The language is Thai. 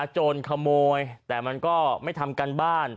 โจรขโมยแต่มันก็ไม่ทำการบ้าน